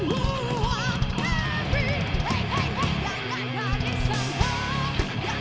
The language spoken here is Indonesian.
datang kemari dan berjalan